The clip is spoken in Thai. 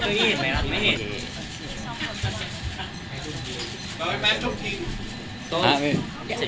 เขียนตัวให้เรียกให้